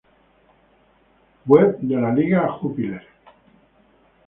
Web de la Jupiler League